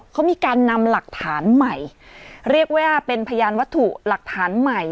เขามีการนำหลักฐานใหม่เรียกว่าเป็นพยานวัตถุหลักฐานใหม่